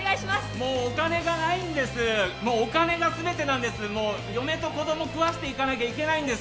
もうお金じゃないんです、お金が全てなんです、もう嫁と子供食わしていかなきゃいけないんです。